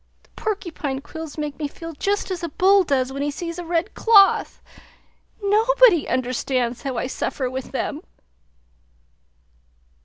The porcupine quills make me feel just as a bull does when he sees a red cloth; nobody understands how I suffer with them!"